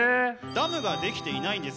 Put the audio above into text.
ダムが出来ていないんです